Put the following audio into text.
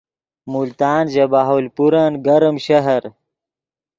ملتان ژے بہاولپورن گرم شہر